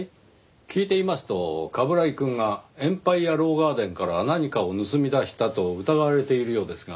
聞いていますと冠城くんがエンパイヤ・ロー・ガーデンから何かを盗み出したと疑われているようですが。